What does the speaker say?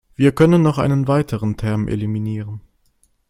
Wir können noch einen weiteren Term eliminieren.